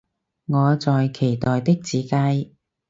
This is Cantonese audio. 我在期待的自介